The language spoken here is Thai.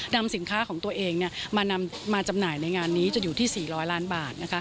นำสินค้าของตัวเองมาจำหน่ายในงานนี้จะอยู่ที่๔๐๐ล้านบาท